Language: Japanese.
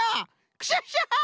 クシャシャシャ！